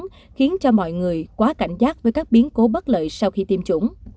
điều này có thể khiến cho mọi người quá cảnh giác với các biến cố bất lợi sau khi tiêm chủng